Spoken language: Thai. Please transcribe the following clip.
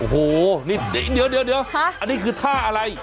โอ้โหนี่เดี๋ยวอันนี้คือท่าอะไร